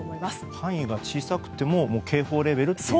範囲が小さくても警報レベルと。